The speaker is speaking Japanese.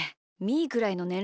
ーくらいのねん